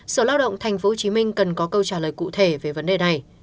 sở lao động tp hcm cần có câu trả lời cụ thể về vấn đề này